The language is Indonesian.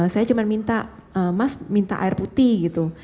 saya cuma minta mas minta air putih gitu